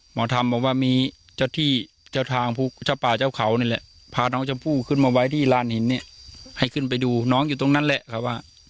หมอธรรมบอกว่ามีเจ้าที่เจ้าทางเจ้าป่าเจ้าเขานี่แหละพาน้องชมพู่ขึ้นมาไว้ที่ลานหินเนี่ยให้ขึ้นไปดูน้องอยู่ตรงนั้นแหละครับว่า